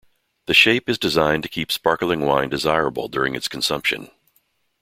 The shape is designed to keep sparkling wine desirable during its consumption.